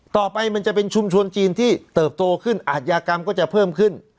มันจะเป็นชุมชนจีนที่เติบโตขึ้นอาทยากรรมก็จะเพิ่มขึ้น